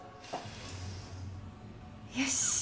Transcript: よし！